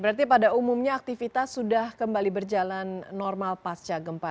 berarti pada umumnya aktivitas sudah kembali berjalan normal pasca gempa